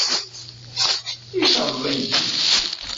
I talleḍ-iyi?